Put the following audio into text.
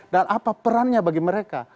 dan apa perannya bagi mereka